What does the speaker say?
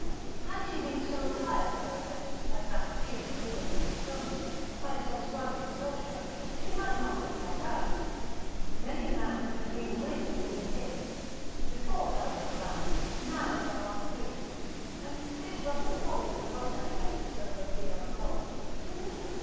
Had she been so tired peradventure as that Ephesian widow in Petronius, by some swaggering soldier, she might not have held out. Many a man would have been willingly rid of his: before thou wast bound, now thou art free; and 'tis but a folly to love thy fetters though they be of gold.